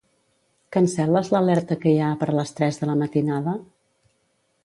Cancel·les l'alerta que hi ha per les tres de la matinada?